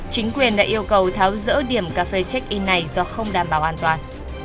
chính quyền đã yêu cầu tháo rỡ điểm cà phê check in này do không đảm bảo an toàn